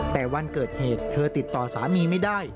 แต่วันเกิดเหตุเธอติดต่อสามีไม่ได้